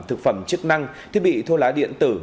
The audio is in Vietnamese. thực phẩm chức năng thiết bị thô lá điện tử